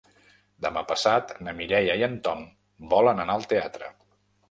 Demà passat na Mireia i en Tom volen anar al teatre.